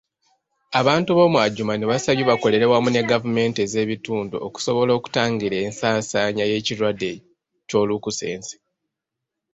Abantu b'omu Adjumani basabye bakolere wamu ne gavumenti ez'ebitundu okusobola okutangira ensaasaanya y'ekirwadde Ky'olunkusense.